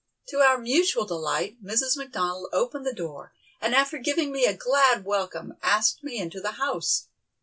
To our mutual delight Mrs. McDonald opened the door, and after giving me a glad welcome, asked me into the house.